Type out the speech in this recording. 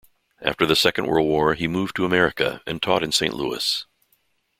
After the Second World War he moved to America and taught in Saint Louis.